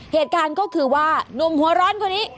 เหตุการณ์ก็คือว่านุ่มหัวร้อนคนนี้